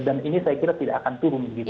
dan ini saya kira tidak akan turun begitu